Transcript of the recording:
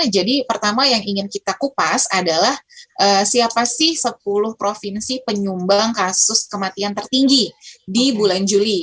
jadi pertama yang ingin kita kupas adalah siapa sih sepuluh provinsi penyumbang kasus kematian tertinggi di bulan juli